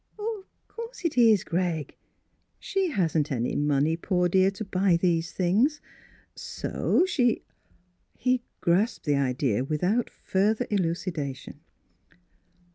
" Of course it is, Greg. She hasn't any money, poor dear, to buy these things ; so she —" He grasped the idea without further elucidation.